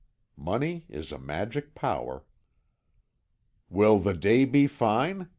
Money is a magic power. "Will the day be fine?"